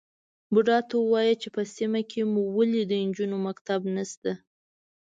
_بوډا ته ووايه چې په سيمه کې مو ولې د نجونو مکتب نشته؟